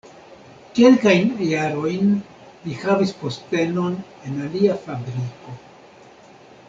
Kelkajn jarojn li havis postenon en alia fabriko.